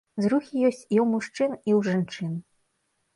Зрухі ёсць і ў мужчын, і ў жанчын.